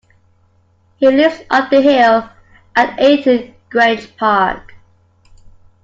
He lives up the hill, at eight Grange Park